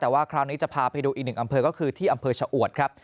แต่ว่าคราวนี้จะพาไปดูอีกหนึ่งอำเภอก็คือที่อำเภอชะอวดครับ